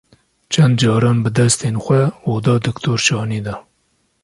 Çend caran bi destên xwe oda diktor şanî da.